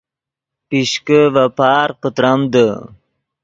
پیشکے ڤے پارغ پتریمدے